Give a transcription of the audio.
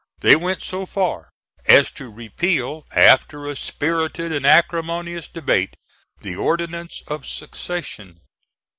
They went so far as to repeal, after a spirited and acrimonious debate, the ordinance of secession.